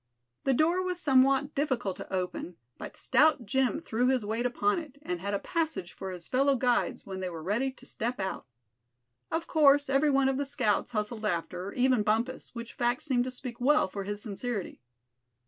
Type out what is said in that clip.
The door was somewhat difficult to open, but stout Jim threw his weight upon it, and had a passage for his fellow guides when they were ready to step out. Of course every one of the scouts hustled after, even Bumpus, which fact seemed to speak well for his sincerity.